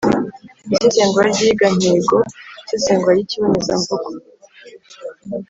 Isesengura iyigantego, isesengura ry’ikibonezamvugo